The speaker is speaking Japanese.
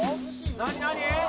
何何？